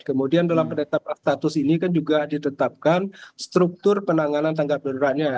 kemudian dalam penetapan status ini kan juga ditetapkan struktur penanganan tanggap daruratnya